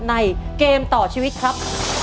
เกมต่อชีวิตครับ